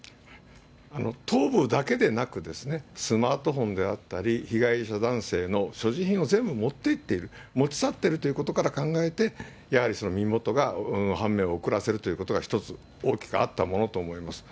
頭部だけでなく、スマートフォンであったり、被害者男性の所持品を全部持っていっている、持ち去っているということから考えて、やはり身元が、判明を遅らせることが一つ、大きくあったものと思います。